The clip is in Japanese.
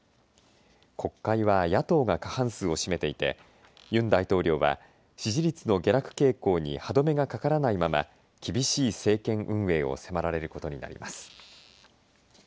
国会は野党が過半数を占めていてユン大統領は支持率の下落傾向に歯止めがかからないまま厳しい政権運営を迫られることになります。